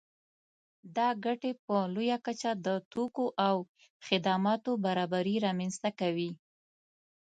دا ګټې په لویه کچه د توکو او خدماتو برابري رامنځته کوي